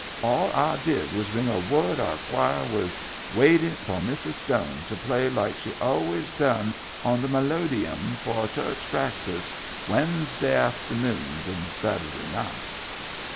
All I did was bring word our choir was waiting for Mrs. Stone to play like she always done on the melodeum for church prac tiss wensday afternoons and Saturday nights."